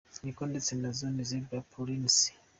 Niko ndetse na Zonnie Zebo Pullins.